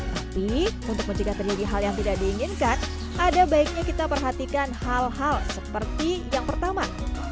tapi untuk menjaga terjadi hal yang tidak diinginkan ada baiknya kita perhatikan hal hal seperti yang pertama